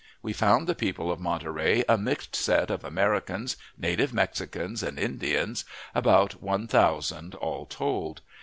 We found the people of Monterey a mixed set of Americans, native Mexicans, and Indians, about one thousand all told.